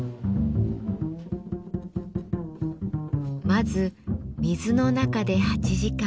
まず水の中で８時間。